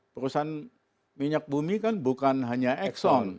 perusahaan minyak bumi kan bukan hanya exxon